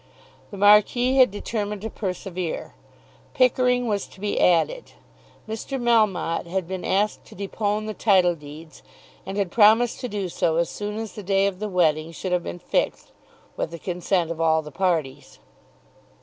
The Marquis had determined to persevere. Pickering was to be added. Mr. Melmotte had been asked to depone the title deeds, and had promised to do so as soon as the day of the wedding should have been fixed with the consent of all the parties.